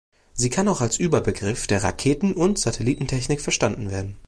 Sie kann auch als Überbegriff der Raketen- und Satellitentechnik verstanden werden.